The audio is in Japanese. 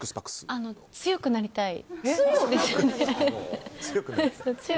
強くなりたいです。